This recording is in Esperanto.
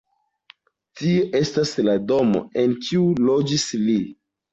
Tie estas la domo, en kiu loĝis li.